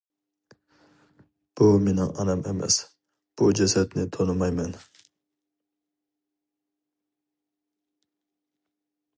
— بۇ مېنىڭ ئانام ئەمەس، بۇ جەسەتنى تونۇمايمەن.